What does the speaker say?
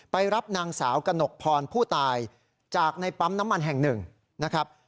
ไปรับนางสาวกระหนกพรผู้ตายจากในปั๊มน้ำมันแห่งหนึ่งนะครับ